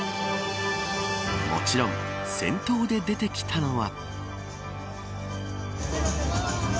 もちろん、先頭で出てきたのは。